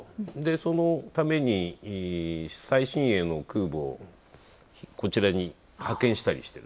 そのために、最新鋭の空母をこちらに派遣したりしてる。